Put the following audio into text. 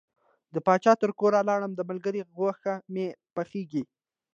د پاچا تر کوره لاړم د ملګري غوښه مې پخیږي.